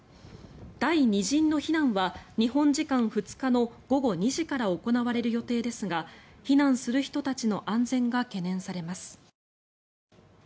第２陣の避難は日本時間２日の午後２時から行われる予定ですが避難する人たちの安全が懸念されます。